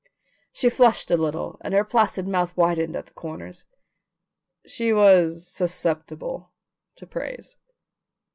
She flushed a little, and her placid mouth widened at the corners. She was susceptible to praise.